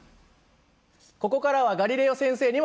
ここからはガリレオ先生にも入って頂きます。